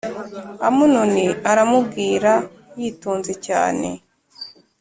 Amunoni aramubwira yitonze cyane